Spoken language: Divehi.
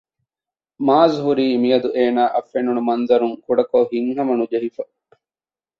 މާޒް ހުރީ މިއަދު އޭނާއަށް ފެނުނު މަންޒަރުން ކުޑަކޮށް ހިތްހަމަނުޖެހިފަ